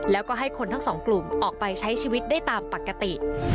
แล้วก็ให้คนทั้งสองกลุ่มออกไปใช้ชีวิตได้ตามปกติ